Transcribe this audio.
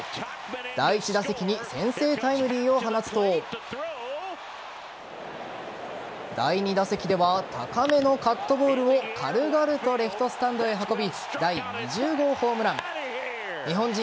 第１打席に先制タイムリーを放つと第２打席では高めのカットボールを軽々とレフトスタンドへ運び